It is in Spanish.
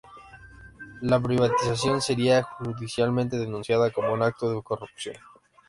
La privatización sería judicialmente denunciada como un acto de corrupción.